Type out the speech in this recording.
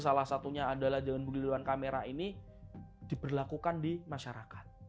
salah satunya adalah jangan berdiri di depan kamera ini diperlakukan di masyarakat